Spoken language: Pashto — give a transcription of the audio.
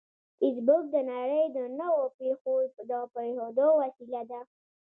فېسبوک د نړۍ د نوو پېښو د پوهېدو وسیله ده